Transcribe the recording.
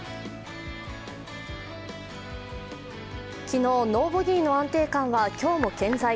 昨日ノーボギーの安定感は今日も健在。